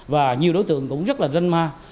và nhiều đối tượng cũng rất là răn ma